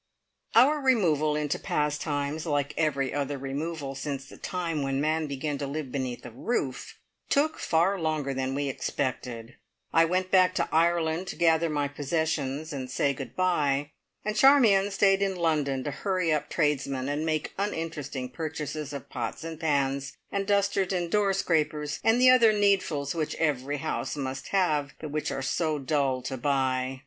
Our removal into Pastimes like every other removal since the time when man began to live beneath a roof took far longer than we expected. I went back to Ireland to gather my possessions, and say good bye, and Charmion stayed in London to hurry up tradesmen, and make uninteresting purchases of pots and pans, and dusters and door scrapers, and the other needfuls which every house must have, but which are so dull to buy.